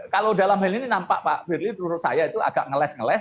kalau dalam hal ini nampak pak firly menurut saya itu agak ngeles ngeles